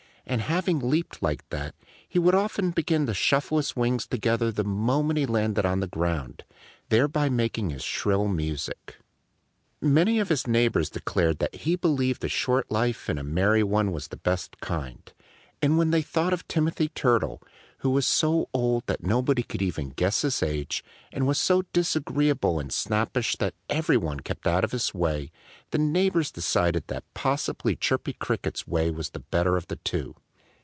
And having leaped like that, often he would begin to shuffle his wings together the moment he landed on the ground, thereby making his shrill music. Many of his neighbors declared that he believed a short life and a merry one was the best kind. And when they thought of Timothy Turtle, who was so old that nobody could even guess his age, and was so disagreeable and snappish that every one kept out of his way, the neighbors decided that possibly Chirpy Cricket's way was the better of the two.